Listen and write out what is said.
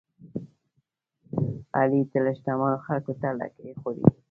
علي تل شتمنو خلکوته لکۍ خوروي.